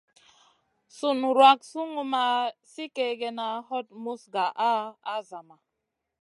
Sùn wrak sungu ma sli kègèna, hot muz gaʼa a zama.